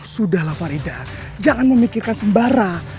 sudahlah farida jangan memikirkan sembara